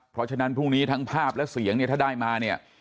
เพราะฉะนั้นพรุ่งนี้ทั้งภาพและเสียงเนี่ยถ้าได้มาเนี่ย